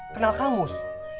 kenal kang mus